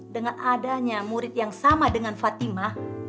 dengan adanya murid yang sama dengan fatimah